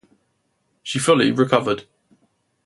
She fully recovered.